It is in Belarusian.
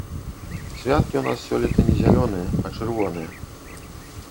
Святкі ў нас сёлета не зялёныя, а чырвоныя.